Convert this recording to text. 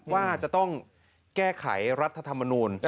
ว่าจะต้องแก้ไขรัฐธรรมนูล